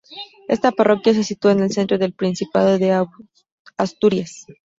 Está parroquia se sitúa en el centro del Principado de Asturias.